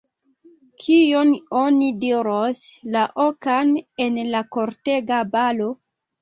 Kion oni diros, la okan, en la kortega balo?